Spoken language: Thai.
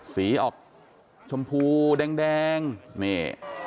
สีออกชมพูแดงนี่